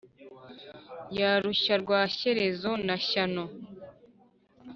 ya rushya rwa shyerezo na shyano,